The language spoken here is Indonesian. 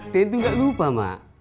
tentu gak lupa mak